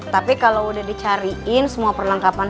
tapi kalau udah dicariin semua perlengkapan